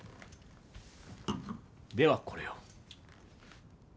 ではこれを。